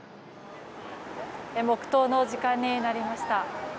黙祷の時間になりました。